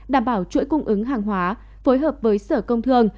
đảm bảo chuỗi cung ứng hàng hóa phối hợp với sở công thương